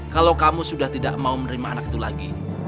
kalau kamu sudah tidak mau menerima anak itu lagi